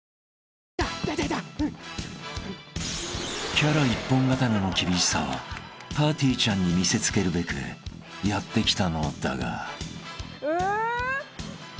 ［キャラ一本刀の厳しさをぱーてぃーちゃんに見せつけるべくやって来たのだが］うー。